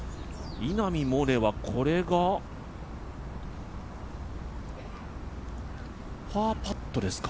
稲見萌寧はこれがパーパットですか。